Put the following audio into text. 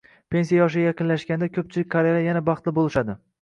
Pensiya yoshi yaqinlashganda, ko'pchilik qariyalar yana baxtli bo'lishadi